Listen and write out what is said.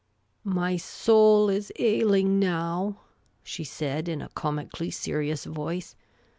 " My soul is ailing now," she said in a comically serious voice.